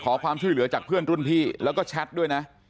ขอความช่วยเหลือจากเพื่อนรุ่นพี่แล้วก็แชทด้วยนะ